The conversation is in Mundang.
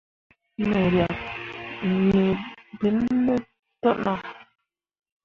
Me riak nii bill te nah.